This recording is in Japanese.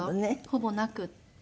ほぼなくて。